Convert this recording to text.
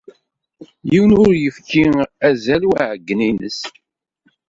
Yiwen ur yefki azal i uɛeyyen-nnes.